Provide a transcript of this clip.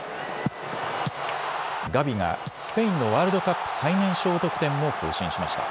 ガビがスペインのワールドカップ最年少得点も更新しました。